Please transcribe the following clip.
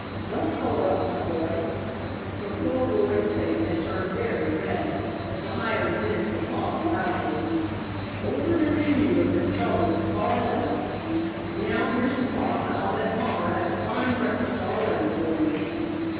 Don't color up, my boy," for poor Roy's face had turned very red, as the hired men guffawed loudly; "older men than you have been startled at far less. And now, here's the farm, and I'll bet mommer has a fine breakfast all ready for you."